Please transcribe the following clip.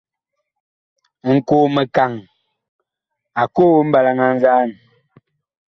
Nkoo-mikaŋ a koo mɓalaŋ a nzaan.